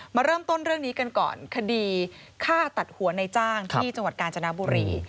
มาเริ่มต้นเรื่องนี้กันก่อนคดีฆ่าตัดหัวในจ้างที่จังหวัดกาญจนบุรี